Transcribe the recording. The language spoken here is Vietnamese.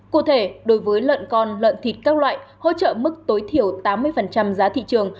cụ thể đối với lợn con lợn thịt các loại hỗ trợ mức tối thiểu tám mươi giá thị trường